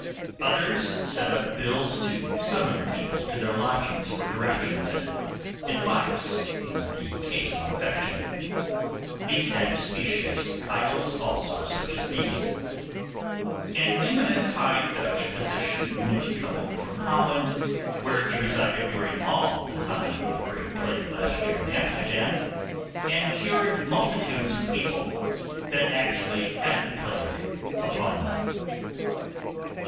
Others set up bills to summon people to their lodgings for directions and advice in the case of infection. These had specious titles also, such as these:— 'An eminent High Dutch physician, newly come over from Holland, where he resided during all the time of the great plague last year in Amsterdam, and cured multitudes of people that actually had the plague upon them.